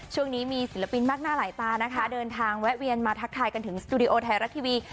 ช่วงนี้มีศิลปินมากหน้าหลายตานะคะเดินทางแวะเวียนมาทักทายกันถึงสตูดิโอไทยรัฐทีวี